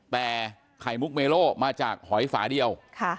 แต่ไข่มุกเมโลมาจากหอยฝาเดียว